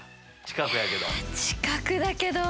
近くだけど。